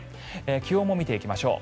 気温も見てきましょう。